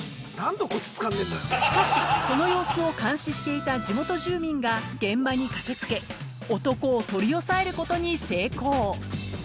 ［しかしこの様子を監視していた地元住民が現場に駆け付け男を取り押さえることに成功］